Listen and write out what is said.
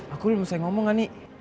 aku belum usah ngomong ani